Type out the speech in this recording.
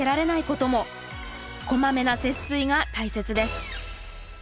こまめな節水が大切です。